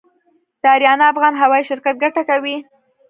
د اریانا افغان هوايي شرکت ګټه کوي؟